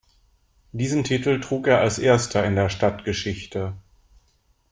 Diesen Titel trug er als erster in der Stadtgeschichte.